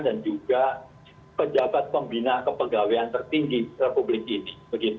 dan juga pejabat pembina kepegawaian tertinggi republik ini